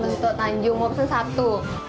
lentok tanjung mau pesan satu